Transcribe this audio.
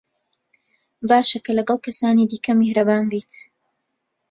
باشە کە لەگەڵ کەسانی دیکە میهرەبان بیت.